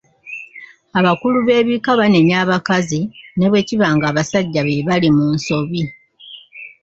Abakulu b'ebika banenya abakazi ne bwe kiba nga abasajja be bali mu nsobi.